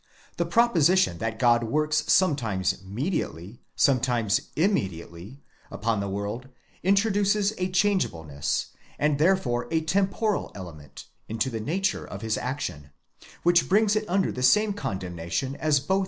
The propo sition that God works sometimes mediately, sometimes immediately, upon the world, introduces a changeableness, and therefore a temporal element, into f the nature of his action, which brings it under the same condemnation as both